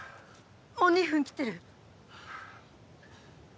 もう２分切ってる！